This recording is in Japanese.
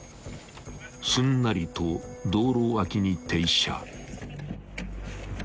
［すんなりと道路脇に停車］